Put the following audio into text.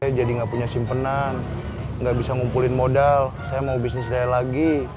saya jadi gak punya simpenan gak bisa ngumpulin modal saya mau bisnis lele lagi